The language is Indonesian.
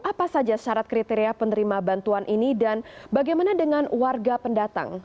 apa saja syarat kriteria penerima bantuan ini dan bagaimana dengan warga pendatang